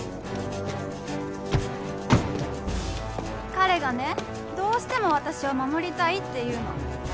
彼がねどうしても私を守りたいって言うの。